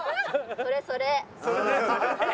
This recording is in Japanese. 「それそれ」。